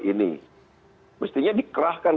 ini mestinya dikerahkan